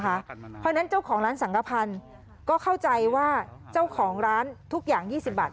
เพราะฉะนั้นเจ้าของร้านสังกภัณฑ์ก็เข้าใจว่าเจ้าของร้านทุกอย่าง๒๐บาท